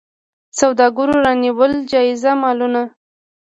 سوداګرو رانیول جایز مالونه.